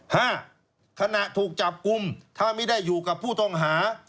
ห้าขณะถูกจับกลุ่มถ้าไม่ได้อยู่กับผู้ต้องหา